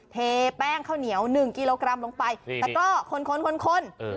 เทแป้งข้าวเหนียวหนึ่งกิโลกรัมลงไปนี่นี่แต่ก็คนคนคนคนเออ